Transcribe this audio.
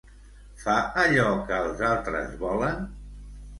Fa allò que els altres volen?